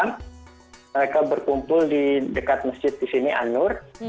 mereka berkumpul di dekat masjid di sini anur